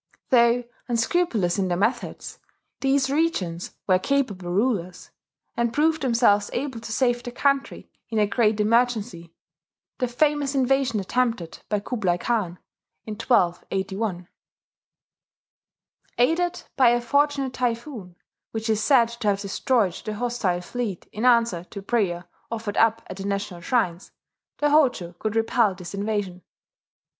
Though unscrupulous in their methods, these regents were capable rulers; and proved themselves able to save the country in a great emergency, the famous invasion attempted by Kublai Khan in 1281. Aided by a fortunate typhoon, which is said to have destroyed the hostile fleet in answer to prayer offered up at the national shrines, the Hojo could repel this invasion.